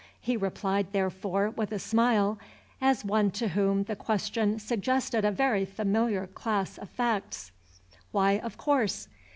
He replied, therefore, with a smile, as one to whom the question suggested a very familiar class of facts. "Why, of course.